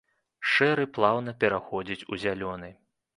Шэры плаўна пераходзіць у зялёны.